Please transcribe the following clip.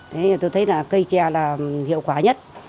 thế thì tôi thấy là cây chè là hiệu quả nhất